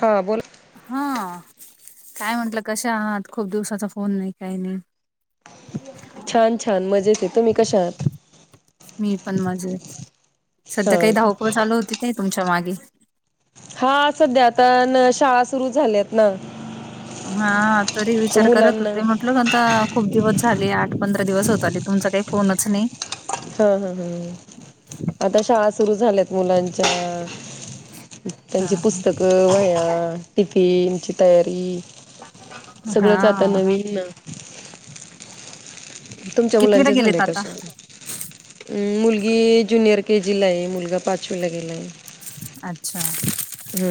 हा बोला हा काय म्हटलं कश आहात खूप दिवसाचा फोन नाही काही नाही छान छान मजेेत आहे तुम्ही कश आहात मी पण मजेत सध्या काही धावपळ चालू होती नाही तुमच्या मागे हा सध्याता शाळा सुरू झाल्यात ना हा तरी तर विचार करत मुलांना होते म्हटल काणता खूप दिवस झाले आठ पंधरा दिवस होत आले तुमचा काही फोनच नाही हा हा हा आता शाळा सुरू झालेत मुलांच्या हा त्यांची हा पुस्तकं वया टिफिन टनची तयारी सगळंच आता हा नवीन [inaudible] तुमच्या कितवीला मुलांचे झालेय गेलेत आता कश मुलगी ज्युनियर के जीला आहे मुलगा पाचवीेला गेला आहे अच्छा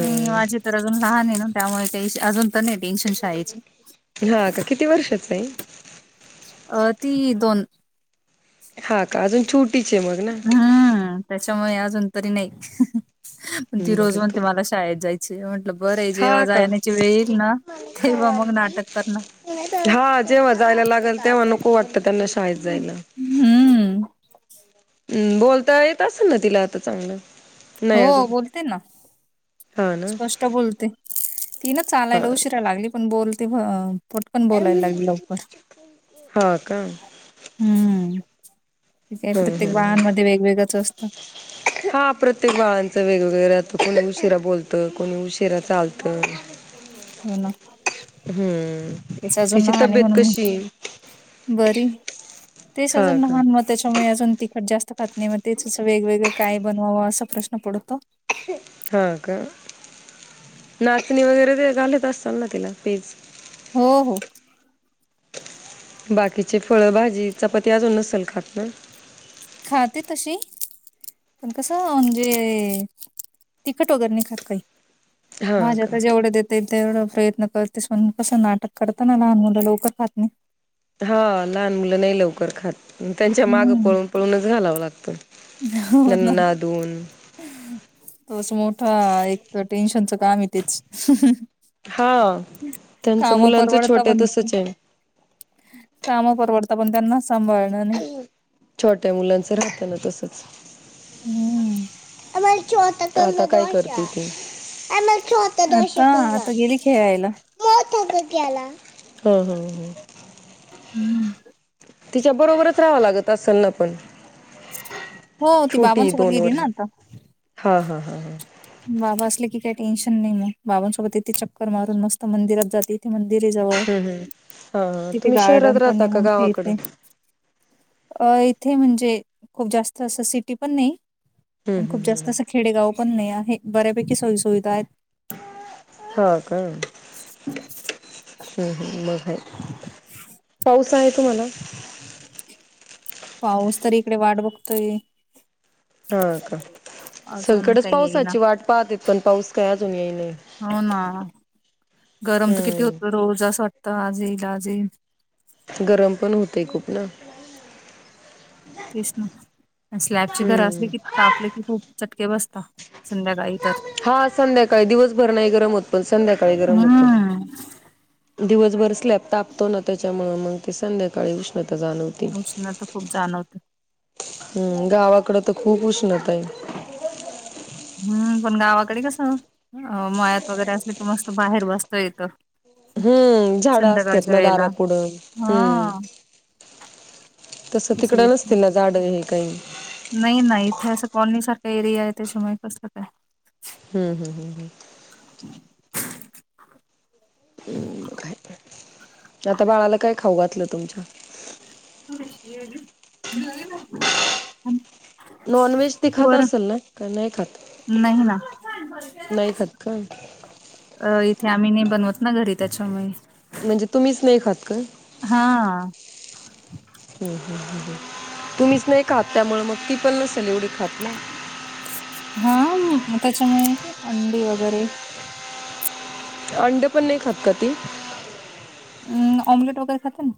ह वाजी तरून लहानन त्यामुळे काही अजून तर नाही टेन्शन शाळेचे हा का किती वर्षाचा आहे अ ती दोन हा का अजून छूट हम्म ते त्याच्यामुळे अजून तरी नाही ती हं, रोज बरं मण तू ते मला शाळेत जायची म्हंटलं बरे जेव्हा हा का जायण्याची वेळ येईल ना मला तेव्हा मग कळली नाटक करणार वाक्त कााय जायला हम्म. [unintelligible] हम् बोलता येत अस ना तिला आता चांगलं नाही हो अजून बोलते ना हा ना स्पष्ट बोलते ती ना हा. चालायला उशिरा लागली पण बोलते पटकन बोलायला लागली लवकर. हा का [inaudible] ठी आहे हम्म प्रत्येक हम्म बाळानमध्ये वेगवेगळंच असतं हा प्रत्येक बाळांचं वेगवेगळं राहतं कोणी उशिरा बोलतं कोणी उशिरा चालतं हो ना हम्म तेच अजून तिची लहान आहे तब्येत कशी म्हणून बरी तेच हा अजून का लहान मग त्याच्यामुळे अजून तिखट जास्त खात नाही मग तेच असं वेगवेगळं काय बनवावं असा प्रश्न पडतो हा का नाचणी वगैरे ते घालत असताल ना तिला पेज हो हो बाकीचे फळभजी चचापाती अजून नसेल खात ना खाते तशी पण कस म्हणजे तिखट वगैरे नाही खात काही हा भाज्या का आता जेवढ्या देता तेवढं प्रयत्न करतेस म्हणून कसं नाटक करत ना लहान मुलं लवकर खात नाही हा लहान मुलं नाही लवकर खात त्यांच्या मागं हम्म पळून पळून घालावं लागतं हो हो त्यांना ना नादून तोच मोठा एक टेन्शनचं कामये तेच हा त्यांचं काम मुलांच परवडता छोटं पण तसच आहे काम परवडत पण त्यांना सांभाळणं नाही आहे. छोट्या मुलांचं राहतना तसच हम्म. आमारी चो तक आता काय करते तू आम छोत आता दोशक आता गेली खेळायला हा हा हम्म तिच्या बरोबरच राहावं लागत असेल ना पण हो ती छोटी बाबांसोबत गेली ना आता हम ह बाबा असले की काही टेन्शन नाही मग बाबांसोबत येथे चक्कर मारून मस्त मंदिरात जाते इथे आहे जवळ हम् हम्म हा ह तिथे तुम्ही शहरात गार्डन पण राहता आहे का मग गावाकड खेळते अ इथे म्हणजे खूप जास्त असं सिटी पण नाही हम्म आणि खूप हम्म जास्त असं खेडेगाव पण नाय हे बऱ्यापैकी सोई सुविधा आहेत हा का हम् ह् मग पा कस आहे तुमाला पाऊस तरी इकडे वाट बघतोय हा का अजून सगळीकडेच काही येई ना पावसाची वाट पाहते पण पाऊस काय जुनी हो ना गरम तर किती होत हम्म. रोज असं वाट तजीलजील गरम पण होतय खूप ना कृष्णा स्लॅबची घर असले हम्म. की तापले की खूप चट बसता संध्याकाळी तर हा संध्याकाळी दिवसभर नाही गरम होत पण संध्याकाळी गरम होत हम्म दिवसभर स्लॅब तापतो ना त्याच्यामुळ मग ते संध्याकाळी उष्णता जाणवती. उष्णता खूप जाणवते हम्म गावाकडे तर खूप उष्णता आहे हम्म पण गावाकडे कसं मळ्यात वगैरे असले कि मस्त बाहेर बसत येतं हम्म झाडं असतात संध्याकाळच्या ना वेळेला दारापुडं हम्म हा तसं तिकडं नसतील ना झाडं हे काई नाही नाही इथे स कॉलनी सर एरिया आहे त्याच्यामुळे कसला काय हम्म हम्म हम्म हम्. हम् काय त्यात बाळाला काय खाऊ घातलंत. तमच्या [unintelligible] नॉन व्हेज ते खात वर असेल ना? का नाही खात नाही ना नाही खात का! ते आम्ही नाही बनवत ना घरी त्याच्यामुळे म्हणजे तुम्हीच नाही खात काय. हा हम हम हम तुम्हीच नाही खात त्यामुळे मग पिपलला सलवडी खात ना! हा मग त्याच्यामुळे अंडी वगैरे, अंड पण नाही खात का ती अम् ऑम्लेट वगैरे खाते ना!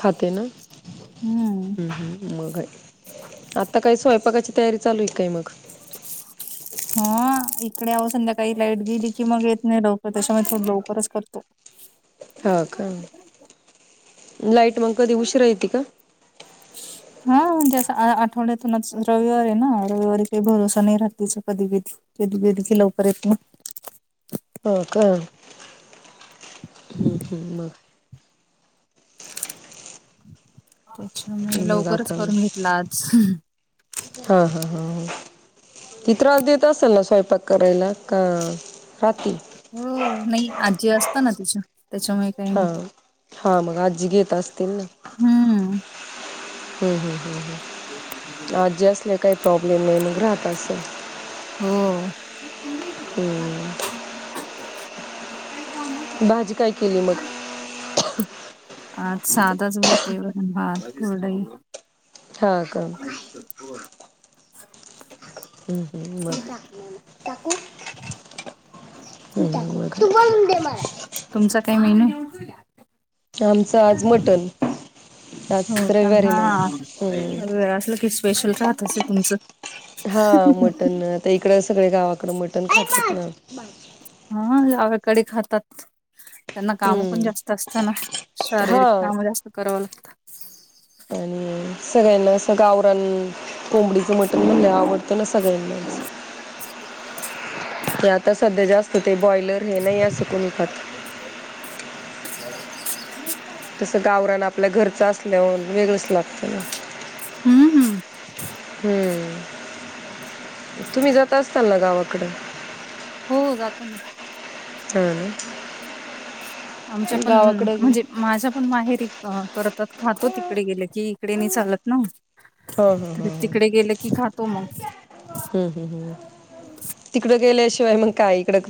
खाते ना! हम्म मग आता काय स्वयंपाकाचे तयारी चालू हे. हा एक कडे आवं संध्याकाही लाईट गेली, कि मग येत नाही लवकर त्याच्यामुळे थोड लवकरच करतो. हा का, लाईट मंग कधी उशिरा येती का? हा जस आ आठवड्यातूनच रविवार हे ना! रविवारी काही भरोसा नाही राहत तिच कधी गेली कधी गेली की लवकर येत ना हो का! मग अच्छा! म हे मग लवकरच आता करून घेतल आज. हा हा हा हा. ती त्रास देत असंल ना स्वय पाक करायला का राहती. हो नाही, आज्जी असता ना तिच्या. त्याच्यामुळे काही नाही हा, हा मग, आज्जी घेत असतील ना? हम्म हम्म हम्म! ह ह न आजी असले काही प्रॉब्लेम नाही मग राहत असेल. हो. हम्म. [unintelligible] भाजी काय केली मग? आत साधंच भेटते वरण-भात कुरडई. हा का! हम हम [unintelligible] तुमचा काय मेनू ये? आमचं आज मटण. आज अ रविवार आहे हा ना हम्म सगळं अस कस पेशल राहत असे तुमच? हा मटण आता एक कड सगळे गावा कड मटण खातत ना. अवाकडे कडे खातात त्यांना कामं पण हम्म जास्त असतना. शारीरिक हा कामं जास्त करावं लागत. आणि सगळ्यांना असं गावराण कोंबडीचं मटण म्हणलय आवडत नस यांनाच ते आता सध्या जास्त ते बॉयलर हे नाही असं कोणी खात [inaudible] [inaudible] तसं गावरान आपल्या घरचं असल्याव वेगळंच लागत ना. हम्म हम्म हम्म! तुम्ही जात असताल ना गावा इकडे हो जातो ना. चले आमच्या पण म्हणजे माझ्या पण माहेरी करत त्यात खातो तिकडे गेले की इकडे नाही चालत ना. हो हो हो तर हो तिकडे गेलं की खातो मग. तिकडे गेले ग कायकडे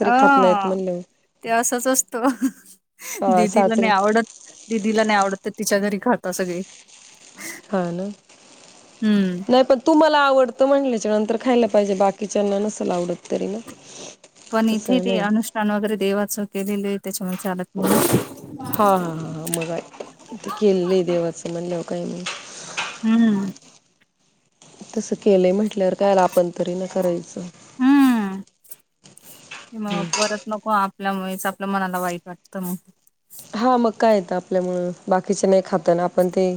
अ ते असच असतो हा दिदीला सासरी नाही आवडत दिदीला नाही आवडत तिच्या घरी खातो सगळे. हा ना हम्म. नाही पण तू मला आवडत म्हटल्या नंतर खायला पाहिजे बाकीचे त्यांना नसंल आवडत. तरी ना पण इथे तसं ते नाही अनुष्ठान वगैरे देवाच केलेलोय आहे त्याच्या मुळे चालत नाही हा हा हा हा मग केलेल देवाचं म्हणले हो काय मग? हम्म. तसं केलंय म्हटल्या वर कायला आपण तरी ना करायचं हम्म म परत नको. आपल्यामुळेच आपल्या मनाला वाईट वाटतं मग. हा मग काय येत आपल्यामुळे बाकीचे नाही खात आपण ते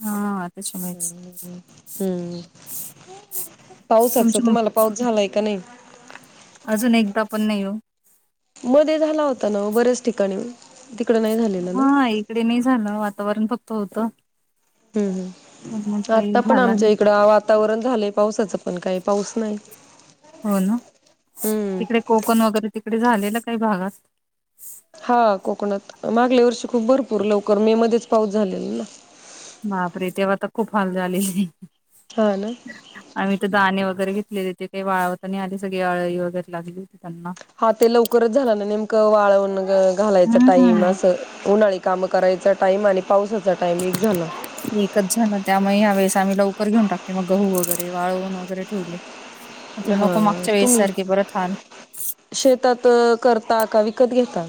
[inaudible] हा. त्याच्यामुळेच. हम्म! पावसाच तुमची म तुम्हाला पाऊस झालायं का नाही? अजून एकदा पण नाही ओ. मध्ये झाला होता ना, बऱ्याच ठिकाणी तिकडं नाही झाले ना. हा इकडे नाही झालं वातावरण फक्त होतं. ह मग ह. काही आता पण झाला आमच्या नाही. इकडं [unintelligible] वातावरण झालंय पावसाचं पण काही पाऊस नाही. हो ना, हम्म. तिकडे कोकण वगैरे तिकडे झालेलं काही भागात. हा कोकणात मागल्या वर्षी खूप खूप भरपूर लवकर मे मध्येच पाऊस झालेला ना. बापरे! तेव्हा तर खूप हाल झालेले. हा ना. आमी त धाणे वगैरे घेत लेे काही वाळावता नाही आले, सगळी अळी वगैरे लागली होती, त्यांना. हा ते लवकरच झाल ना नेमकं वाळवण घालायचा टाईम हम्म असं उन्हाळी काम करायचा टाईम आणि पावसाचा टाईम एक झाला. कर घेऊन टाकते मग गहु वगैरे वाळऊन वगैरे ठेवले. म्हटलं हां नको मागच्या वेळेस तुम्ही सारखे परत हाल शेतात करता का वि कत घेेता?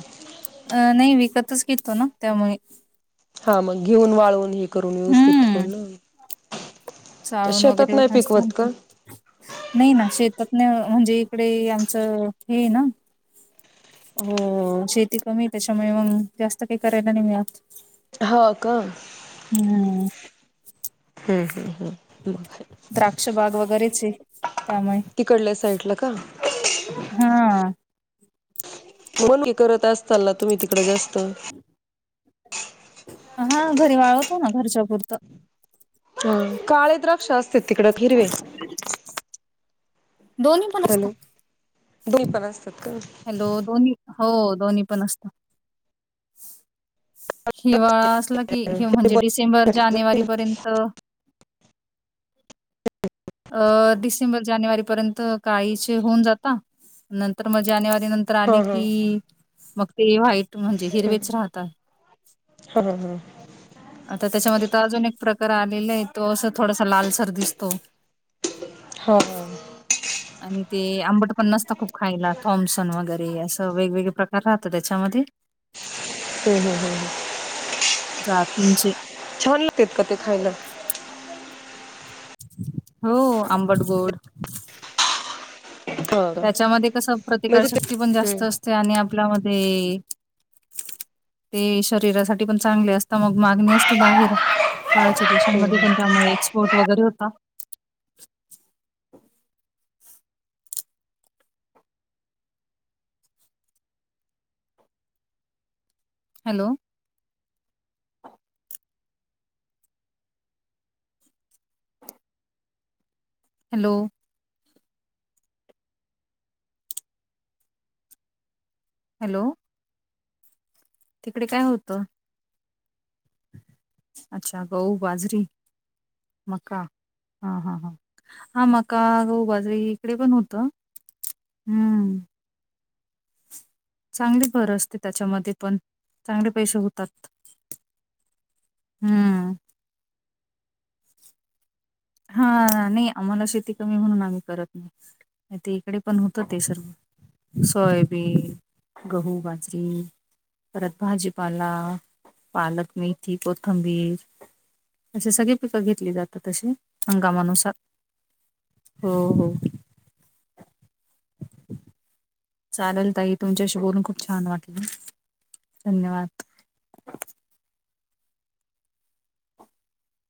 अं नाही विकतच घेतो ना त्यामुळे हां मग घेऊन वाळवून हे करून व्यवस्थित ठेऊन हम्म ना. चाळून शेतात वगैरे नाही पिकवत का? [unintelligible] नाही ना शेतात ना म्हणजे इकडे आमचं हे ना अ शेती कमी आहे त्याच्यामुळे मग जास्त काही करायला नाही मिळत. हो का? हम्म मग द्राक्षबाग वगैरेच हे त्यामुळे. तिकडल्या साईडला का? हां. मनुके करत असताल ना तुम्ही तिकडे जास त. हां घरी वाळवतो ना घरच्या पुुरतं. हं काळे द्राक्षे अस ते तिकडे हिरवे दोन्ही पण हॅलो असतात. दोन्ही पण असतात का? हॅलो दोनी हो दोन्ही पण असत हिवाळा असला की हे म्हणजे बघ डिसेंबर जानेवारीपर्यंत अ डिसेंबर जानेवारी पर्यंत काळीचे होऊन जाता नंतर म जानेवारी नंतर हा आले हा. की वक्त ते वा्हाईट म्हणजे हिरवेच राहतात हा हा हा आता त्याच्यामध्ये तर अजून एक प्रकार आलेलं आहे तो असं थोडासा लालसर दिसतो हा हा आणि ते आंबट पण नसता खूप खायला थॉम्सन वगैरे असं वेगवेगळे प्रकार राहत त्याच्यामध्ये हम् हम् हम् जातींचे छान लागतेेत का ते खायला हो आंबटगोड हा त्याच्यामध्ये कस म्हणजे ते प्रतिकारशक्ती पण जास्त असते आणि कणा मधे, ते शरीरासाठी पण चांगले असत मग मागणी असते बाहेर पाहाच्या दिवशांमध्ये पण त्यामुळे एक्सपोर्ट वगैरे होता. Hello hello? हॅलो? तिकडे काय होत? अच्छा गऊ, बाजरी, मका हा हा हा हा मका, गऊ, बाजरी इकडे पण होत, अम्म चांगली भर असते त्याच्यामध्ये पण चांगले पैसे होतात, हम्म. हा नइ आम्हाला शेती कमी म्हणून आम्ही करत नाई, ते इकडे पण होत ते सर्व सोयाबीन, गहू, बाजरी परत भाजीपाला पालक मेथी कोथंबीर असे सगळे पिक घेतली जात तशे. हंगामानुसा, हो हो चालेल ताई तुमच्याशी बोलून खूप छान वाटल, धन्यवाद.